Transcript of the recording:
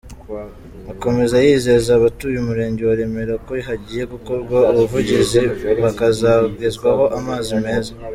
Akomeza yizeza abatuye umurenge wa Remera ko hagiye gukorwa ubuvugizi bakazagezwaho amazi meza.